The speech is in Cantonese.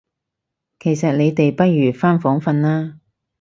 其實你哋不如返房訓啦